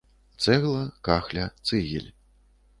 Цэгла, кахля, цыгель.